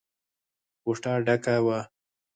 کوټه ډکه وه.